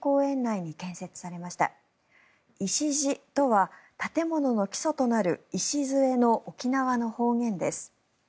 「いしじ」とは建物の基礎となる「いしずえ」の沖縄の方言です。